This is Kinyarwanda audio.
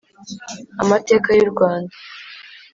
Amateka y’Urwanda.